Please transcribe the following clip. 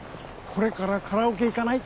これからカラオケ行かない？